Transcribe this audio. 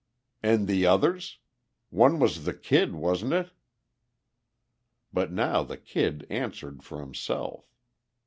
"And the others? One was the Kid, wasn't it?..." But now the Kid answered for himself.